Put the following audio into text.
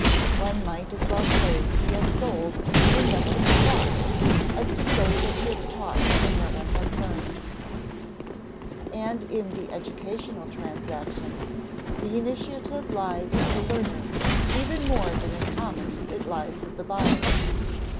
One might as well say he has sold when no one has bought, as to say that he has taught when no one has learned. And in the educational transaction, the initiative lies with the learner even more than in commerce it lies with the buyer.